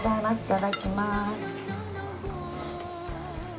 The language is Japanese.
いただきます。